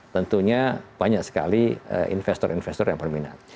tentunya banyak sekali investor investor yang berminat